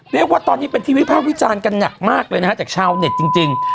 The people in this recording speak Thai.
เรียกว่าตอนนี้เป็นที่วิภาควิจารณ์กันหนักมากเลยนะฮะจากชาวเน็ตจริง